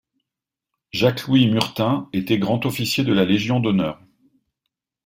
Jacques-Louis Murtin était grand officier de la Légion d'honneur.